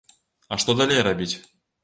А што далей рабіць?